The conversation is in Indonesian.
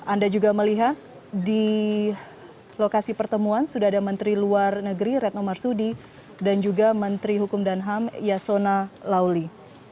anda juga melihat di lokasi pertemuan sudah ada menteri luar negeri retno marsudi dan juga menteri hukum dan ham yasona lauli